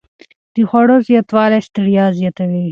د خوړو زیاتوالی ستړیا زیاتوي.